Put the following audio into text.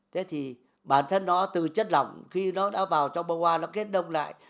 thế thì bản thân nó từ chất lỏng khi nó đã vào trong bông hoa nó kết đông lại